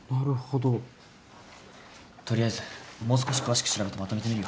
取りあえずもう少し詳しく調べてまとめてみるよ。